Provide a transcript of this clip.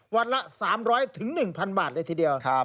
วันละ๓๐๐๑๐๐บาทเลยทีเดียว